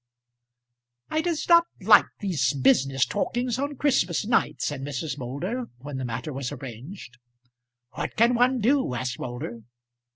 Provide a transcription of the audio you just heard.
"I does not like these business talkings on Christmas night," said Mrs. Moulder, when the matter was arranged. "What can one do?" asked Moulder.